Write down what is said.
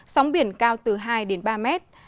sóng biển cao từ hai đến ba mét